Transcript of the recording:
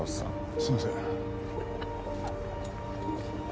すみません。